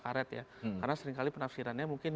karet ya karena seringkali penafsirannya mungkin